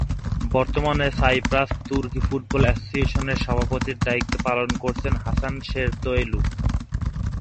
বর্তমানে সাইপ্রাস তুর্কি ফুটবল অ্যাসোসিয়েশনের সভাপতির দায়িত্ব পালন করছেন হাসান সেরতোয়লু।